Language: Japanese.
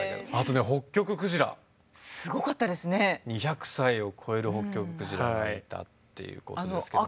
２００歳を越えるホッキョククジラがいたっていうことですけど。